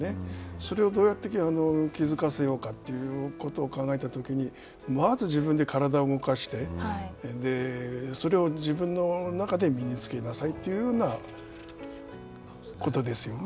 それをどうやって気づかせようかということを考えたときに、まず自分で体を動かしてそれを自分の中で身につけなさいというふうなことですよね。